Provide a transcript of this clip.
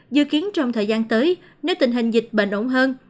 dự kiến trong thời gian tới nếu tình hình dịch bệnh ổn hơn